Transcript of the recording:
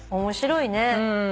面白いね。